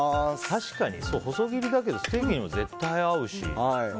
確かに細切りだけどステーキにも絶対合うし。